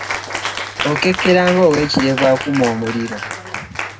Okekkera ng’ow’ekirevu akuma omuliro.